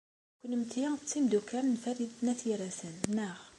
Kennemti d timeddukal n Farid n At Yiraten, naɣ?